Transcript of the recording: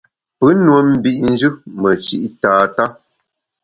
Pe nue mbit njù meshi’ tata.